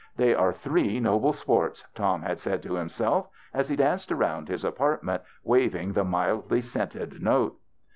" They are three noble sports," Tom had said to himself, as he danced around his apartment waving the mildly scented note.